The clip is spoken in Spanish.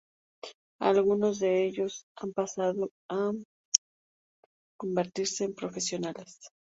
Algunos de ellos han pasado a convertirse en profesionales.